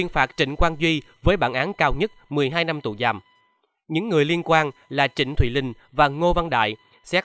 phải có những hành lực